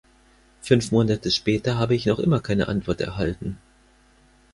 Fünf Monate später habe ich noch immer keine Antwort erhalten.